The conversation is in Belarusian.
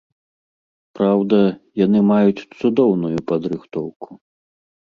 Праўда, яны маюць цудоўную падрыхтоўку.